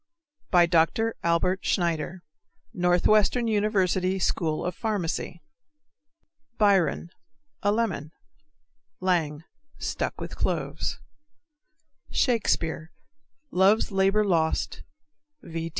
_) DR. ALBERT SCHNEIDER, Northwestern University School of Pharmacy. Biron A lemon. Lang Stuck with cloves. _Shakespeare, Love's Labor Lost, V.